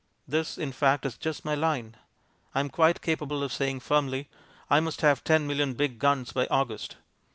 This, in fact, is just my line. I am quite capable of saying firmly, "I must have ten million big guns by August."